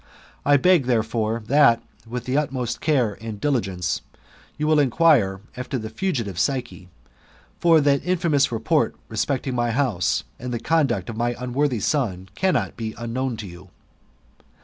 1 beg, therefore, that with the utmost care and diligence you will inquire after the fugitive Psyche ; for the infamous report respecting my house, and the conduct of my unworthy soti, cannot be unknown to you."